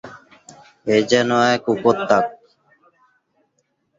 এ যেন এক উপত্যাক।